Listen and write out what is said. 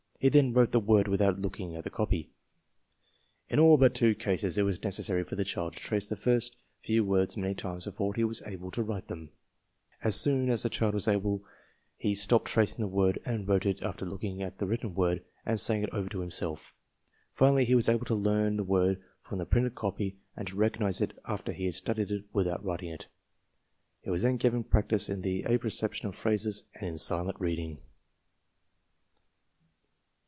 He then wrote the word without looking at the copy. In all but two cases it was necessary for the child to trace the first few words many times before he was able to write them. As soon as the child was able he stopped tracing the word and wrote it after looking at the written word and saying it over to himself. Finally he was able to learn the word from the printed copy and to recognize it after he had studied it without writing it. He was then given practice in the apperception of phrases and in silent reading.